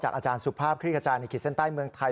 จากอาจารย์สุภาพคลิกอจายนาคิดเส้นใต้เมืองไทย